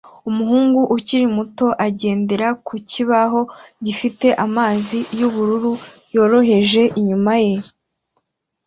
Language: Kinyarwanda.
Umuhungu ukiri muto agendera ku kibaho gifite amazi yubururu yoroheje inyuma ye